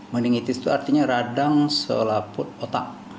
meningitis itu artinya radang selaput otak